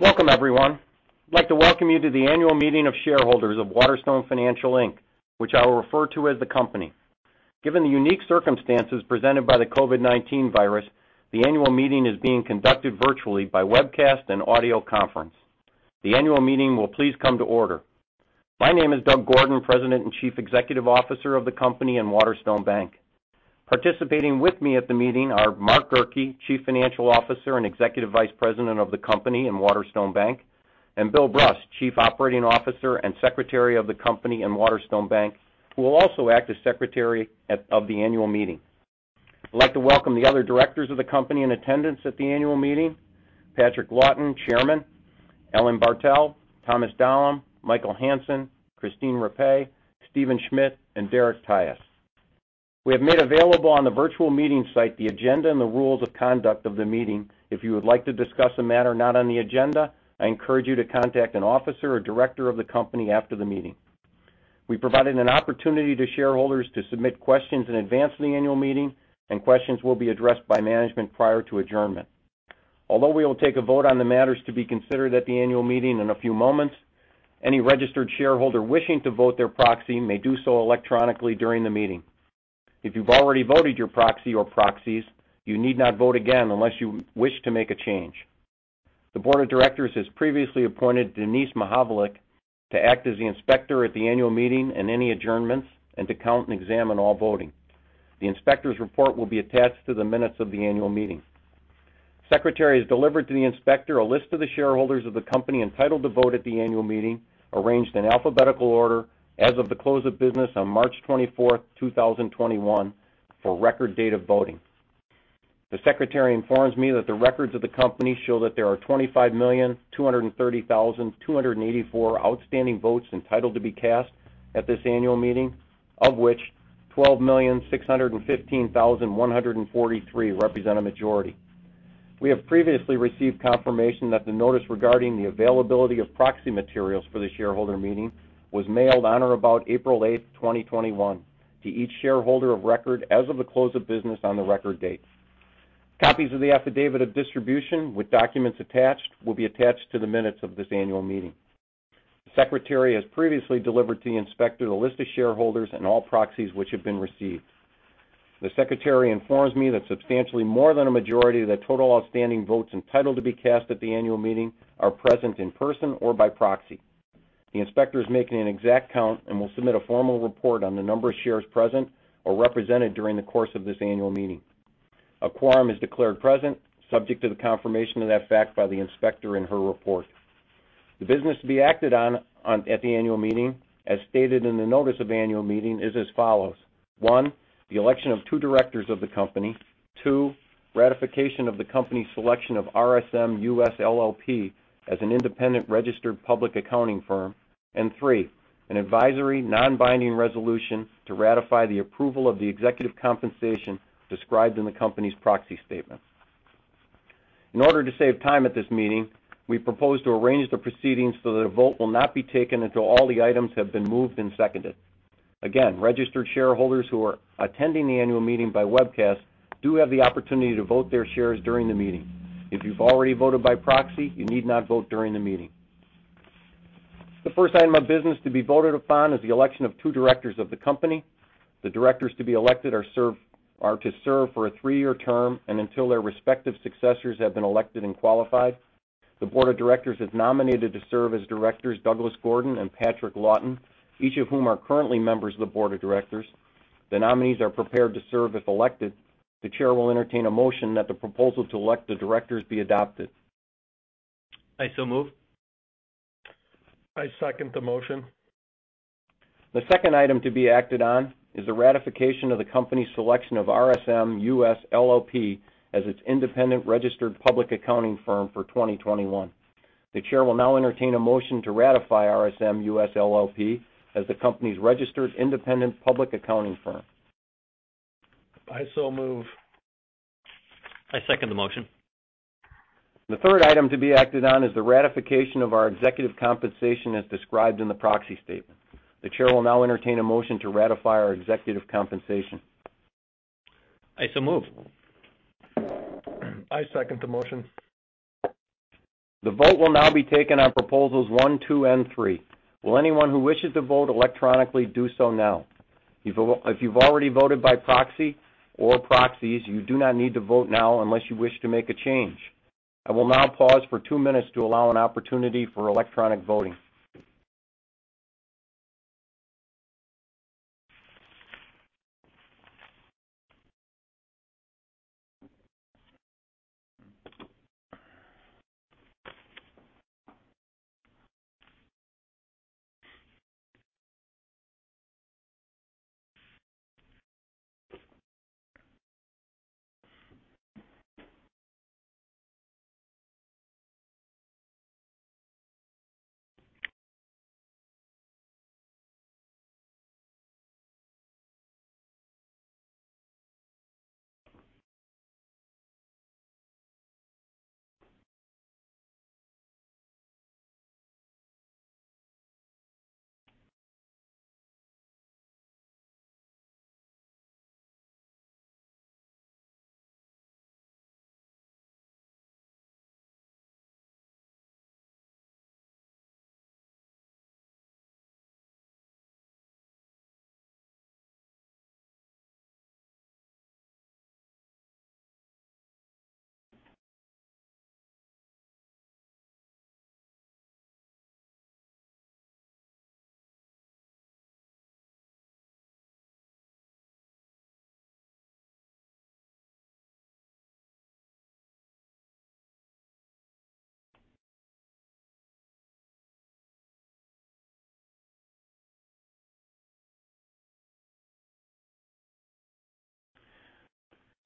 Welcome everyone. I'd like to welcome you to the annual meeting of shareholders of Waterstone Financial, Inc., which I will refer to as the company. Given the unique circumstances presented by the COVID-19 virus, the annual meeting is being conducted virtually by webcast and audio conference. The annual meeting will please come to order. My name is Doug Gordon, President and Chief Executive Officer of the company and WaterStone Bank. Participating with me at the meeting are Mark Gerke, Chief Financial Officer and Executive Vice President of the company and WaterStone Bank, and Bill Bruss, Chief Operating Officer and Secretary of the company and WaterStone Bank, who will also act as secretary of the annual meeting. I'd like to welcome the other directors of the company in attendance at the annual meeting, Patrick Lawton, Chairman, Ellen Bartel, Thomas Dalum, Michael Hansen, Kristine Rappé, Stephen Schmidt, and Derek Tyus. We have made available on the virtual meeting site the agenda and the rules of conduct of the meeting. If you would like to discuss a matter not on the agenda, I encourage you to contact an officer or director of the company after the meeting. We provided an opportunity to shareholders to submit questions in advance of the annual meeting, and questions will be addressed by management prior to adjournment. Although we will take a vote on the matters to be considered at the annual meeting in a few moments, any registered shareholder wishing to vote their proxy may do so electronically during the meeting. If you've already voted your proxy or proxies, you need not vote again unless you wish to make a change. The board of directors has previously appointed Denise Mihalovic to act as the inspector at the annual meeting and any adjournments, and to count and examine all voting. The inspector's report will be attached to the minutes of the annual meeting. Secretary has delivered to the inspector a list of the shareholders of the company entitled to vote at the annual meeting, arranged in alphabetical order as of the close of business on March 24th, 2021, for record date of voting. The Secretary informs me that the records of the company show that there are 25,230,284 outstanding votes entitled to be cast at this annual meeting, of which 12,615,143 represent a majority. We have previously received confirmation that the notice regarding the availability of proxy materials for the shareholder meeting was mailed on or about April 8th, 2021, to each shareholder of record as of the close of business on the record date. Copies of the affidavit of distribution with documents attached will be attached to the minutes of this annual meeting. The secretary has previously delivered to the inspector the list of shareholders and all proxies which have been received. The secretary informs me that substantially more than a majority of the total outstanding votes entitled to be cast at the annual meeting are present in person or by proxy. The inspector is making an exact count and will submit a formal report on the number of shares present or represented during the course of this annual meeting. A quorum is declared present, subject to the confirmation of that fact by the inspector in her report. The business to be acted on at the annual meeting, as stated in the notice of annual meeting, is as follows. One, the election of two directors of the company. Two, ratification of the company's selection of RSM US LLP as an independent registered public accounting firm. Three, an advisory, non-binding resolution to ratify the approval of the executive compensation described in the company's proxy statement. In order to save time at this meeting, we propose to arrange the proceedings so that a vote will not be taken until all the items have been moved and seconded. Again, registered shareholders who are attending the annual meeting by webcast do have the opportunity to vote their shares during the meeting. If you've already voted by proxy, you need not vote during the meeting. The first item of business to be voted upon is the election of two directors of the company. The directors to be elected are to serve for a three-year term, and until their respective successors have been elected and qualified. The board of directors has nominated to serve as directors Douglas Gordon and Patrick Lawton, each of whom are currently members of the board of directors. The nominees are prepared to serve if elected. The chair will entertain a motion that the proposal to elect the directors be adopted. I so move. I second the motion. The second item to be acted on is the ratification of the company's selection of RSM US LLP as its independent registered public accounting firm for 2021. The chair will now entertain a motion to ratify RSM US LLP as the company's registered independent public accounting firm. I so move. I second the motion. The third item to be acted on is the ratification of our executive compensation as described in the proxy statement. The chair will now entertain a motion to ratify our executive compensation. I so move. I second the motion. The vote will now be taken on proposals 1, 2, and 3. Will anyone who wishes to vote electronically do so now. If you've already voted by proxy or proxies, you do not need to vote now unless you wish to make a change. I will now pause for two minutes to allow an opportunity for electronic voting.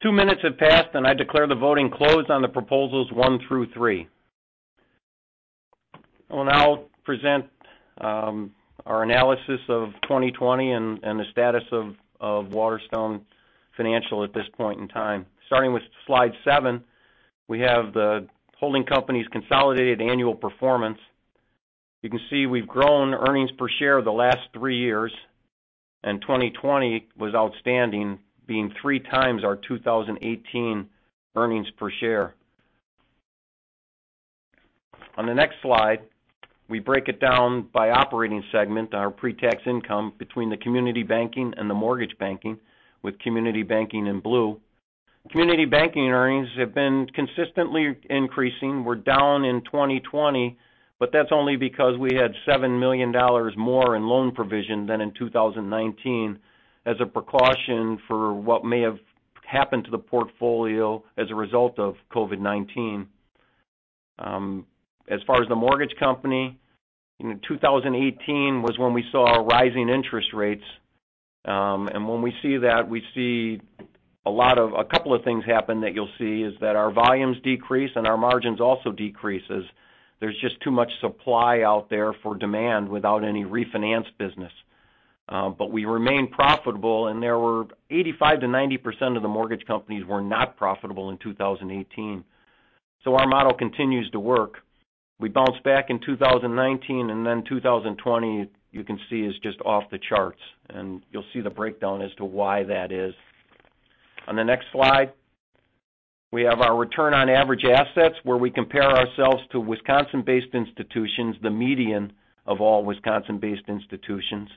Two minutes have passed, and I declare the voting closed on the proposals 1 through 3. I'll now present our analysis of 2020 and the status of Waterstone Financial at this point in time. Starting with Slide 7, we have the holding company's consolidated annual performance. You can see we've grown earnings per share the last three years, and 2020 was outstanding, being three times our 2018 earnings per share. On the next slide, we break it down by operating segment, our pre-tax income between the community banking and the mortgage banking, with community banking in blue. Community banking earnings have been consistently increasing. We're down in 2020, but that's only because we had $7 million more in loan provision than in 2019 as a precaution for what may have happened to the portfolio as a result of COVID-19. As far as the mortgage company, 2018 was when we saw our rising interest rates. When we see that, we see a couple of things happen that you'll see is that our volumes decrease and our margins also decreases. There's just too much supply out there for demand without any refinance business. We remain profitable, and there were 85%-90% of the mortgage companies were not profitable in 2018. Our model continues to work. We bounced back in 2019, and then 2020, you can see, is just off the charts, and you'll see the breakdown as to why that is. On the next slide, we have our return on average assets, where we compare ourselves to Wisconsin-based institutions, the median of all Wisconsin-based institutions.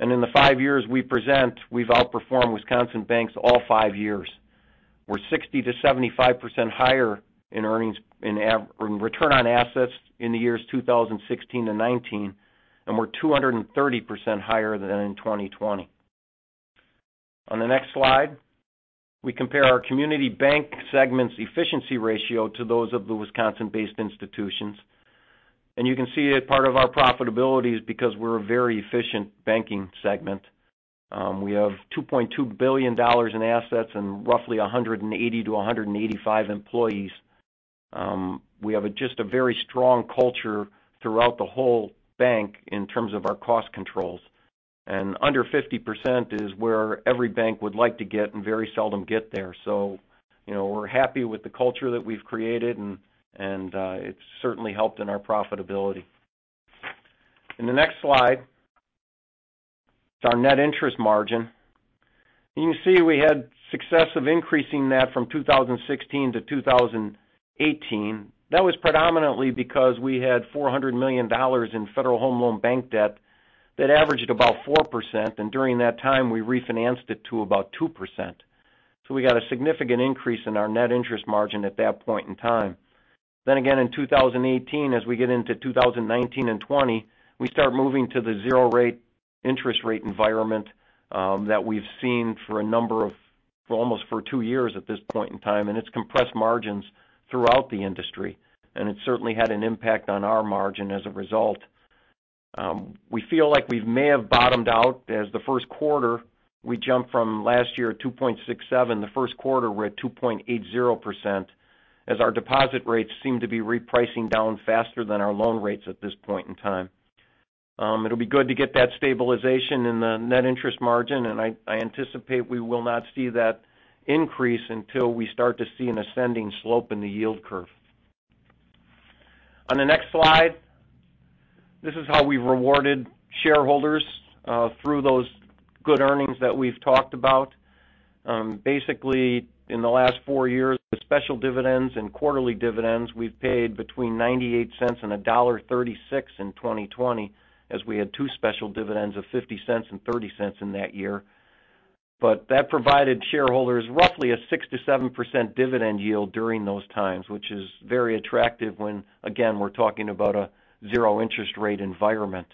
In the five years we present, we've outperformed Wisconsin banks all five years. We're 60%-75% higher in return on assets in the years 2016-2019, and we're 230% higher than in 2020. On the next slide, we compare our community bank segment's efficiency ratio to those of the Wisconsin-based institutions. You can see that part of our profitability is because we're a very efficient banking segment. We have $2.2 billion in assets and roughly 180-185 employees. We have just a very strong culture throughout the whole bank in terms of our cost controls. Under 50% is where every bank would like to get and very seldom get there. We're happy with the culture that we've created, and it's certainly helped in our profitability. In the next slide, it's our net interest margin. You can see we had success of increasing that from 2016-2018. That was predominantly because we had $400 million in Federal Home Loan Bank debt that averaged about 4%, and during that time, we refinanced it to about 2%. We got a significant increase in our net interest margin at that point in time. Again, in 2018, as we get into 2019 and 2020, we start moving to the zero interest rate environment that we've seen for almost for two years at this point in time, and it's compressed margins throughout the industry, and it certainly had an impact on our margin as a result. We feel like we may have bottomed out as the first quarter. We jumped from last year, 2.67%. The first quarter, we're at 2.80%, as our deposit rates seem to be repricing down faster than our loan rates at this point in time. It'll be good to get that stabilization in the net interest margin, and I anticipate we will not see that increase until we start to see an ascending slope in the yield curve. On the next slide, this is how we've rewarded shareholders through those good earnings that we've talked about. Basically, in the last four years, with special dividends and quarterly dividends, we've paid between $0.98 and $1.36 in 2020, as we had two special dividends of $0.50 and $0.30 in that year. That provided shareholders roughly a 6%-7% dividend yield during those times, which is very attractive when, again, we're talking about a zero interest rate environment.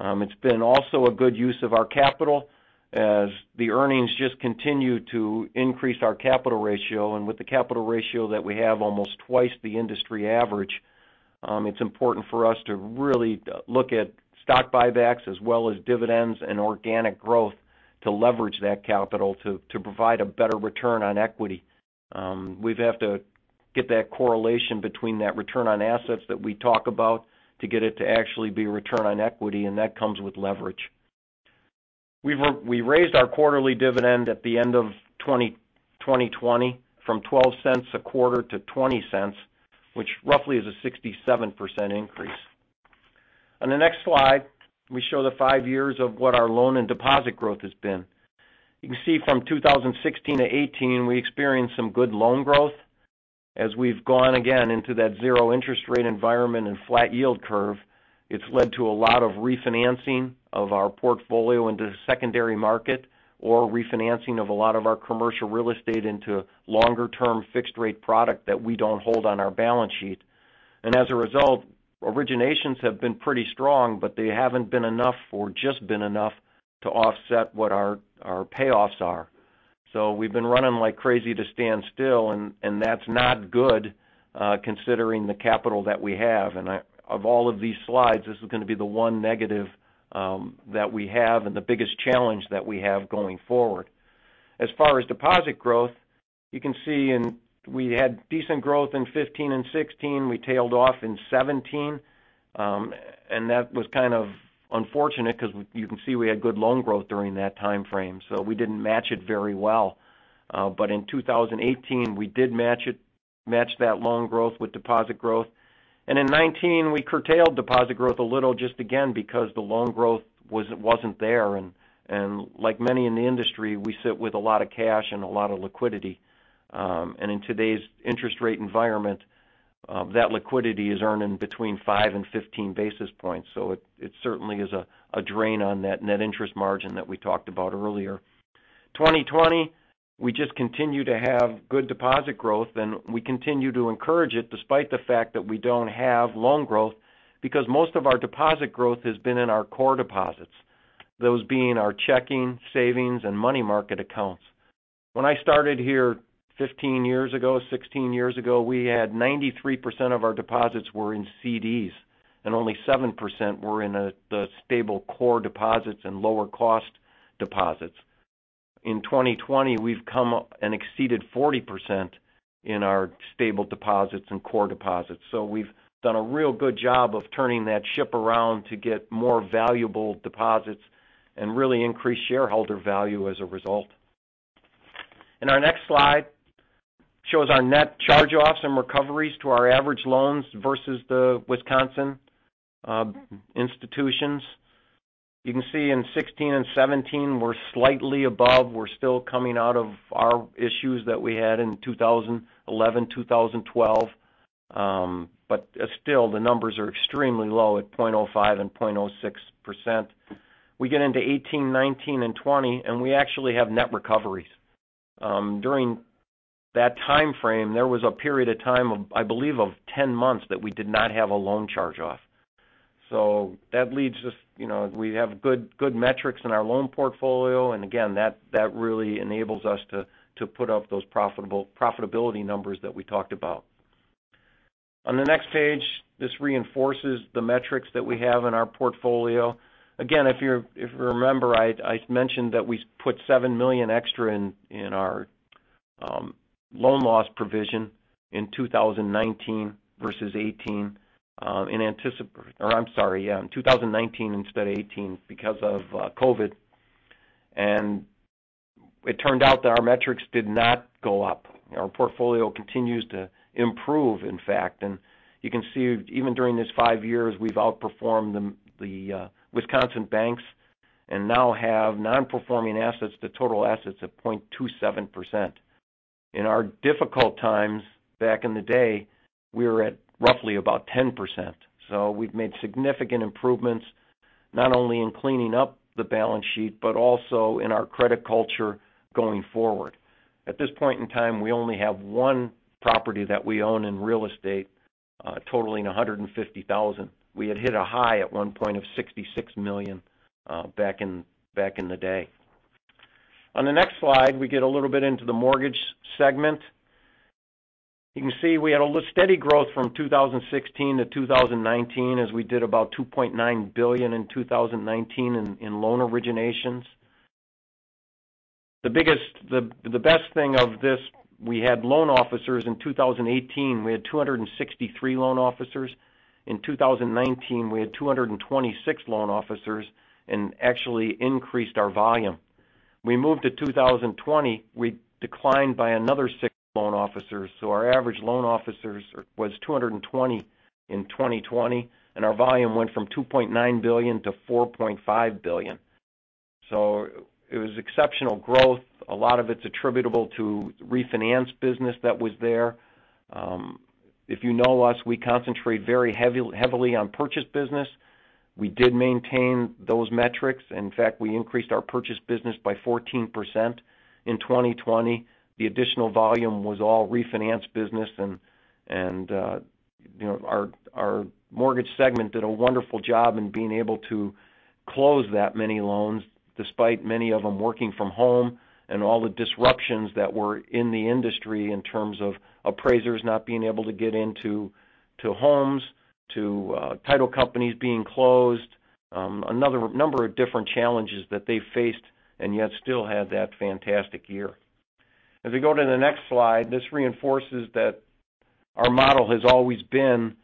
It's been also a good use of our capital as the earnings just continue to increase our capital ratio. With the capital ratio that we have almost twice the industry average, it's important for us to really look at stock buybacks as well as dividends and organic growth to leverage that capital to provide a better return on equity. We'd have to get that correlation between that return on assets that we talk about to get it to actually be return on equity, and that comes with leverage. We raised our quarterly dividend at the end of 2020 from $0.12 a quarter to $0.20, which roughly is a 67% increase. On the next slide, we show the five years of what our loan and deposit growth has been. You can see from 2016-2018, we experienced some good loan growth. As we've gone again into that zero interest rate environment and flat yield curve, it's led to a lot of refinancing of our portfolio into the secondary market or refinancing of a lot of our commercial real estate into longer-term fixed rate product that we don't hold on our balance sheet. As a result, originations have been pretty strong, but they haven't been enough or just been enough to offset what our payoffs are. We've been running like crazy to stand still, and that's not good considering the capital that we have. Of all of these slides, this is going to be the one negative that we have and the biggest challenge that we have going forward. As far as deposit growth, you can see we had decent growth in 2015 and 2016. We tailed off in 2017. That was kind of unfortunate because you can see we had good loan growth during that timeframe, so we didn't match it very well. In 2018, we did match that loan growth with deposit growth. In 2019, we curtailed deposit growth a little just again, because the loan growth wasn't there. Like many in the industry, we sit with a lot of cash and a lot of liquidity. In today's interest rate environment, that liquidity is earning between 5 basis points and 15 basis points. It certainly is a drain on that net interest margin that we talked about earlier. 2020, we just continue to have good deposit growth, and we continue to encourage it despite the fact that we don't have loan growth, because most of our deposit growth has been in our core deposits, those being our checking, savings, and money market accounts. When I started here 15 years ago, 16 years ago, we had 93% of our deposits were in CDs, and only 7% were in the stable core deposits and lower cost deposits. In 2020, we've come up and exceeded 40% in our stable deposits and core deposits. We've done a real good job of turning that ship around to get more valuable deposits and really increase shareholder value as a result. Our next slide shows our net charge-offs and recoveries to our average loans versus the Wisconsin institutions. You can see in 2016 and 2017, we're slightly above. We're still coming out of our issues that we had in 2011, 2012. Still, the numbers are extremely low at 0.05% and 0.06%. We get into 2018, 2019, and 2020, and we actually have net recoveries. During that timeframe, there was a period of time, I believe, of 10 months that we did not have a loan charge-off. That leaves us, we have good metrics in our loan portfolio, and again, that really enables us to put up those profitability numbers that we talked about. On the next page, this reinforces the metrics that we have in our portfolio. If you remember, I mentioned that we put $7 million extra in our loan loss provision in 2019 instead of 2018 because of COVID. It turned out that our metrics did not go up. Our portfolio continues to improve, in fact. You can see, even during this five years, we've outperformed the Wisconsin banks and now have non-performing assets to total assets of 0.27%. In our difficult times back in the day, we were at roughly about 10%. We've made significant improvements, not only in cleaning up the balance sheet, but also in our credit culture going forward. At this point in time, we only have one property that we own in real estate, totaling $150,000. We had hit a high at one point of $66 million back in the day. On the next slide, we get a little bit into the mortgage segment. You can see we had steady growth from 2016-2019, as we did about $2.9 billion in 2019 in loan originations. The best thing of this, we had loan officers in 2018. We had 263 loan officers. In 2019, we had 226 loan officers and actually increased our volume. We moved to 2020, we declined by another six loan officers. Our average loan officers was 220 in 2020, and our volume went from $2.9 billion-$4.5 billion. It was exceptional growth. A lot of it's attributable to refinance business that was there. If you know us, we concentrate very heavily on purchase business. We did maintain those metrics. In fact, we increased our purchase business by 14% in 2020. The additional volume was all refinance business, and our mortgage segment did a wonderful job in being able to close that many loans, despite many of them working from home and all the disruptions that were in the industry in terms of appraisers not being able to get into homes, to title companies being closed. A number of different challenges that they faced and yet still had that fantastic year. As we go to the next slide, this reinforces that our model has always been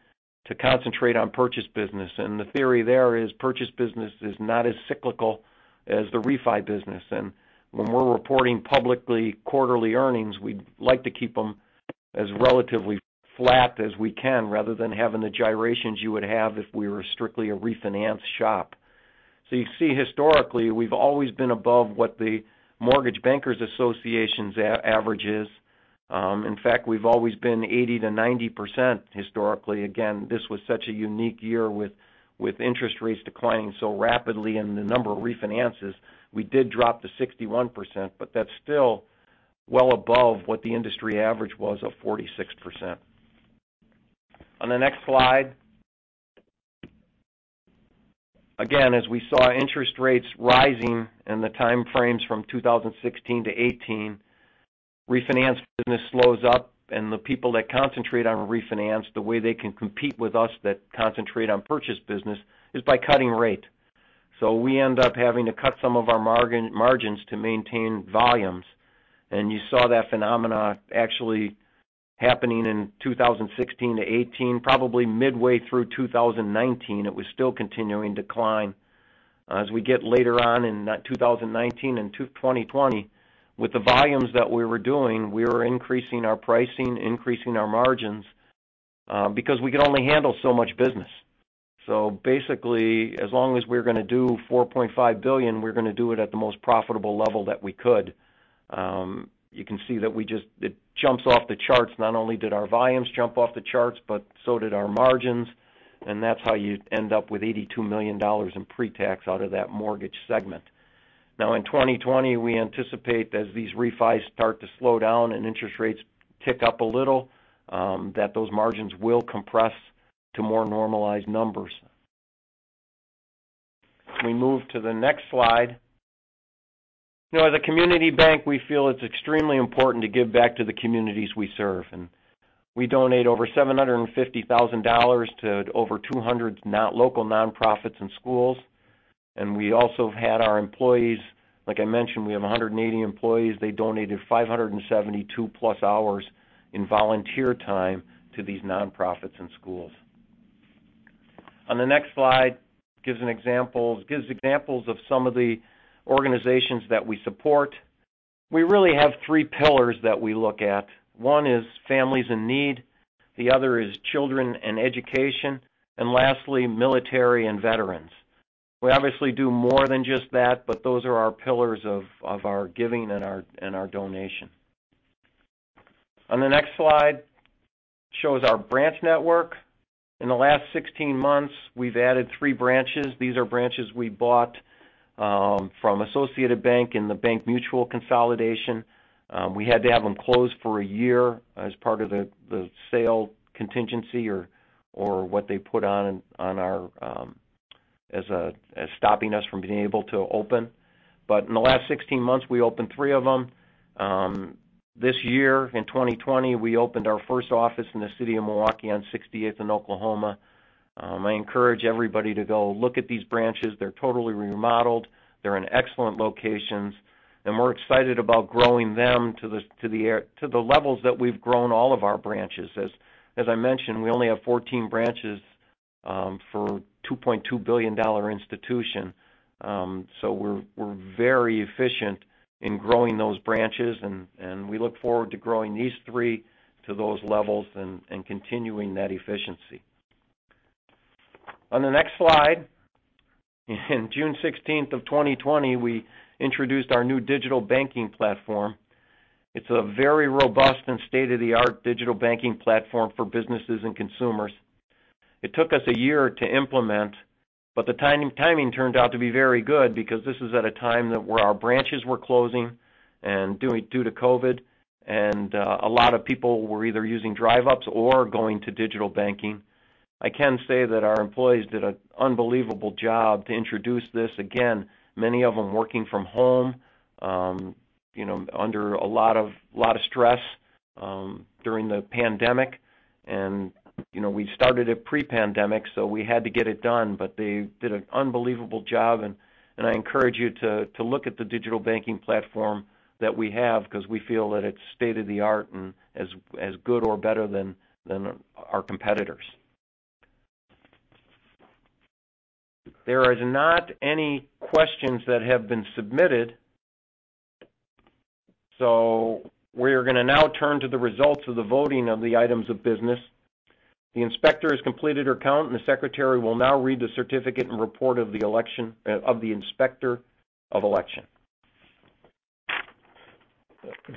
to concentrate on purchase business. The theory there is purchase business is not as cyclical as the refi business. When we're reporting publicly quarterly earnings, we like to keep them as relatively flat as we can, rather than having the gyrations you would have if we were strictly a refinance shop. You see historically, we've always been above what the Mortgage Bankers Association's average is. In fact, we've always been 80%-90% historically. Again, this was such a unique year with interest rates declining so rapidly and the number of refinances. We did drop to 61%, but that's still well above what the industry average was of 46%. On the next slide. Again, as we saw interest rates rising in the timeframes from 2016-2018, refinance business slows up, and the people that concentrate on refinance, the way they can compete with us that concentrate on purchase business is by cutting rates. We end up having to cut some of our margins to maintain volumes. You saw that phenomenon actually happening in 2016-2018, probably midway through 2019, it was still continuing to decline. As we get later on in 2019 and 2020, with the volumes that we were doing, we were increasing our pricing, increasing our margins, because we could only handle so much business. Basically, as long as we're going to do $4.5 billion, we're going to do it at the most profitable level that we could. You can see that it jumps off the charts. Not only did our volumes jump off the charts, but so did our margins. That's how you end up with $82 million in pre-tax out of that mortgage segment. In 2020, we anticipate as these refis start to slow down and interest rates tick up a little, that those margins will compress to more normalized numbers. We move to the next slide. As a community bank, we feel it's extremely important to give back to the communities we serve. We donate over $750,000 to over 200 local nonprofits and schools. We also had our employees, like I mentioned, we have 180 employees. They donated 572+ hours in volunteer time to these nonprofits and schools. On the next slide, gives examples of some of the organizations that we support. We really have three pillars that we look at. One is families in need, the other is children and education, and lastly, military and veterans. We obviously do more than just that, but those are our pillars of our giving and our donation. On the next slide, shows our branch network. In the last 16 months, we've added three branches. These are branches we bought from Associated Bank and the Bank Mutual consolidation. We had to have them closed for a year as part of the sale contingency or what they put on as stopping us from being able to open. In the last 16 months, we opened three of them. This year, in 2020, we opened our first office in the city of Milwaukee on 60th and Oklahoma. I encourage everybody to go look at these branches. They're totally remodeled. They're in excellent locations. We're excited about growing them to the levels that we've grown all of our branches. As I mentioned, we only have 14 branches for a $2.2 billion institution. We're very efficient in growing those branches, and we look forward to growing these three to those levels and continuing that efficiency. On the next slide. On June 16th of 2020, we introduced our new digital banking platform. It's a very robust and state-of-the-art digital banking platform for businesses and consumers. It took us a year to implement, but the timing turned out to be very good because this was at a time where our branches were closing due to COVID, and a lot of people were either using drive-ups or going to digital banking. I can say that our employees did an unbelievable job to introduce this. Again, many of them working from home under a lot of stress during the pandemic. We started it pre-pandemic, so we had to get it done. They did an unbelievable job, and I encourage you to look at the digital banking platform that we have because we feel that it's state-of-the-art and as good or better than our competitors. There is not any questions that have been submitted. We are going to now turn to the results of the voting of the items of business. The inspector has completed her count, and the secretary will now read the certificate and report of the inspector of election.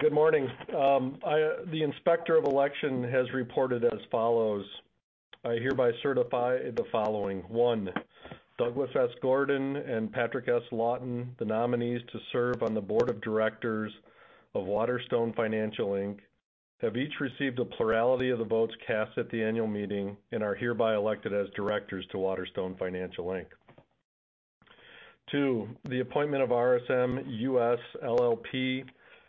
Good morning. The inspector of election has reported as follows. I hereby certify the following. One, Douglas S. Gordon and Patrick S. Lawton, the nominees to serve on the board of directors of Waterstone Financial, Inc., have each received a plurality of the votes cast at the annual meeting and are hereby elected as directors to Waterstone Financial, Inc. Two, the appointment of RSM US LLP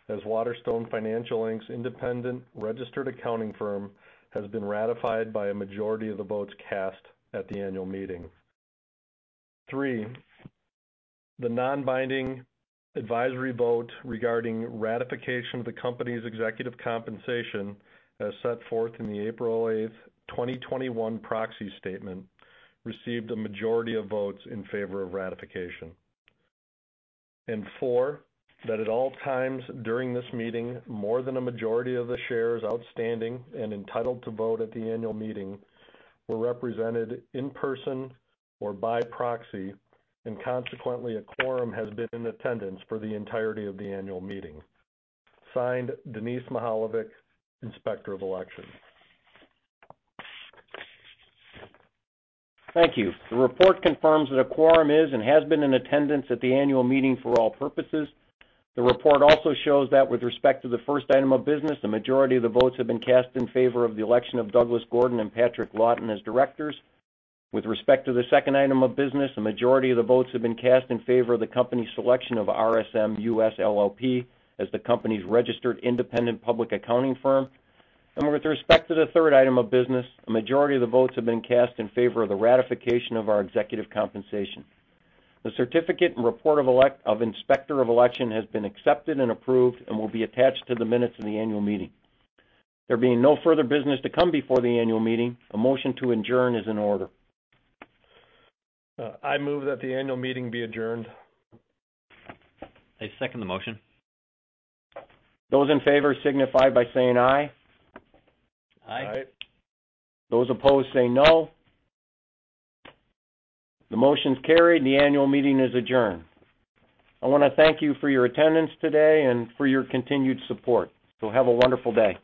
as Waterstone Financial, Inc.'s independent registered accounting firm has been ratified by a majority of the votes cast at the annual meeting. Three, the non-binding advisory vote regarding ratification of the company's executive compensation as set forth in the April 8, 2021 Proxy Statement received a majority of votes in favor of ratification. Four, that at all times during this meeting, more than a majority of the shares outstanding and entitled to vote at the annual meeting were represented in person or by proxy, and consequently, a quorum has been in attendance for the entirety of the annual meeting. Signed, Denise Mihalovic, Inspector of Elections. Thank you. The report confirms that a quorum is and has been in attendance at the annual meeting for all purposes. The report also shows that with respect to the first item of business, the majority of the votes have been cast in favor of the election of Douglas Gordon and Patrick Lawton as directors. With respect to the second item of business, the majority of the votes have been cast in favor of the company's selection of RSM US LLP as the company's registered independent public accounting firm. With respect to the third item of business, the majority of the votes have been cast in favor of the ratification of our executive compensation. The certificate and report of inspector of election has been accepted and approved and will be attached to the minutes of the annual meeting. There being no further business to come before the annual meeting, a motion to adjourn is in order. I move that the annual meeting be adjourned. I second the motion. Those in favor signify by saying aye. Aye. Those opposed say no. The motion's carried, the annual meeting is adjourned. I want to thank you for your attendance today and for your continued support. Have a wonderful day.